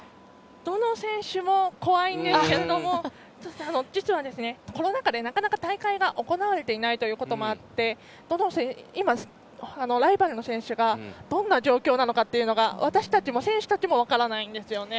どの選手も怖いんですけれども実は、コロナ禍でなかなか大会が行われていないということもあって今、ライバルの選手がどんな状況なのか私たちも選手たちも分からないんですよね。